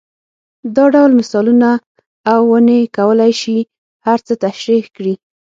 دا ډول مثالونه او ونې کولای شي هر څه تشرېح کړي.